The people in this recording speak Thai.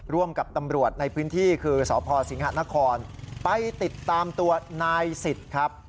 ร่วมกับตำรวจในพื้นที่คือสพสิงหะนครไปติดตามตัวนายสิทธิ์ครับ